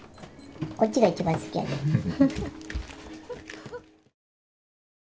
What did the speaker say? こっちが一番好きやね